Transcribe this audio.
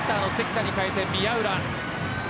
セッターの関田に代えて、宮浦。